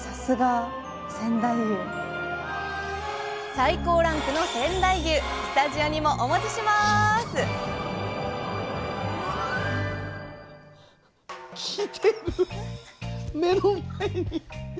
最高ランクの仙台牛スタジオにもお持ちします来てる目の前に。